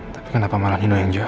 tapi kenapa malah nino yang jawab